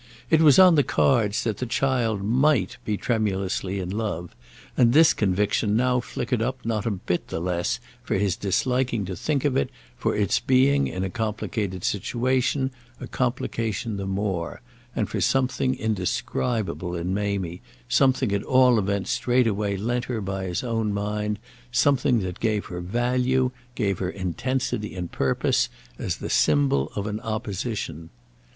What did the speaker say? It was on the cards that the child might be tremulously in love, and this conviction now flickered up not a bit the less for his disliking to think of it, for its being, in a complicated situation, a complication the more, and for something indescribable in Mamie, something at all events straightway lent her by his own mind, something that gave her value, gave her intensity and purpose, as the symbol of an opposition.